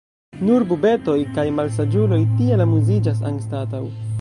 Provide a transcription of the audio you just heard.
Nur bubetoj kaj malsaĝuloj tiel amuziĝas anstataŭ.